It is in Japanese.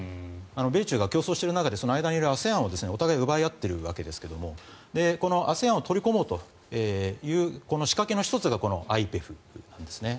米中が競争している中でその間にいるＡＳＥＡＮをお互いに奪い合っているわけですがＡＳＥＡＮを取り込もうという仕掛けの１つがＩＰＥＦなんですね。